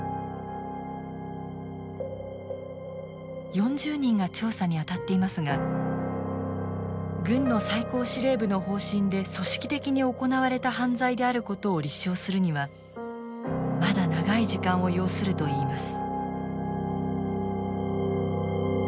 ４０人が調査に当たっていますが軍の最高司令部の方針で組織的に行われた犯罪であることを立証するにはまだ長い時間を要するといいます。